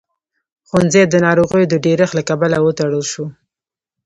ښوونځی د ناروغيو د ډېرښت له کبله وتړل شو.